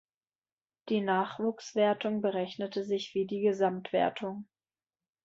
Die Nachwuchswertung berechnete sich wie die Gesamtwertung.